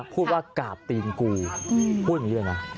พูดอย่างนี้เลยนะ